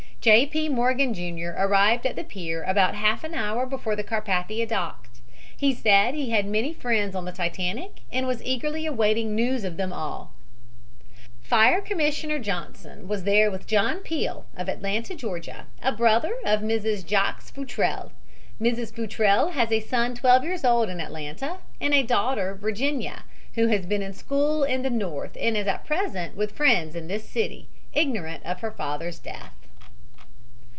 J. P. Morgan, Jr., arrived at the pier about half an hour before the Carpathia docked. He said he had many friends on the Titanic and was eagerly awaiting news of all of them. Fire Commissioner Johnson was there with John Peel, of Atlanta, Gal, a brother of Mrs. Jacques Futrelle. Mrs. Futrelle has a son twelve years old in Atlanta, and a daughter Virginia, who has been in school in the North and is at present with friends in this city, ignorant of her father's death.